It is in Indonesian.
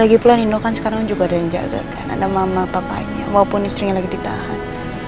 lagipula nino kan sekarang juga ada yang menjaga ada mama papanya walaupun istrinya lagi ditahan